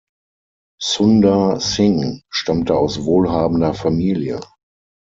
Sundar Singh stammte aus wohlhabender Familie.